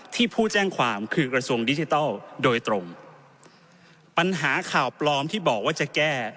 ผู้แจ้งความคือกระทรวงดิจิทัลโดยตรงปัญหาข่าวปลอมที่บอกว่าจะแก้